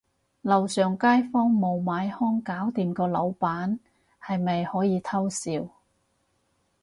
樓上街坊無買兇搞掂個老闆，係咪可以偷笑